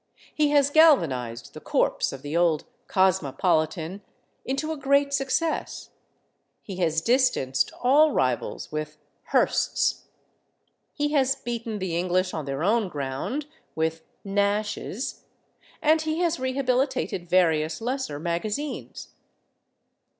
He has galvanized the corpse of the old Cosmopolitan into a great success, he has distanced all rivals with Hearst's, he has beaten the English on their own ground with Nash's, and he has rehabilitated various lesser magazines.